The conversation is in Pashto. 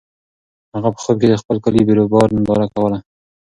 هغه په خوب کې د خپل کلي د بیروبار ننداره کوله.